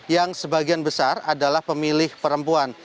yang sebagian besar adalah pemilih perempuan